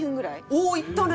おおーいったね！